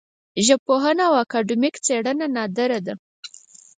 ژبپوهنه او اکاډمیک څېړنه نادره ده